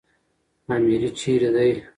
اميري چيري دئ؟